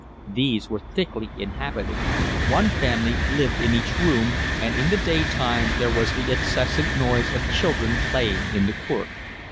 These were thickly inhabited. One family lived in each room, and in the daytime there was the incessant noise of children playing in the court.